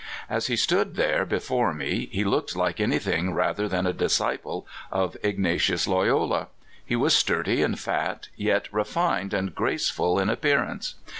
As he stood there be fore me, he looked like anything rather than a disciple of Ignatius Loyola. He was sturdy and fat, yet refined and graceful in appearance.